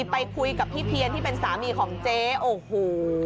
ไปคุยกับพี่เพียรที่เป็นสามีของเจ๊โอ้โห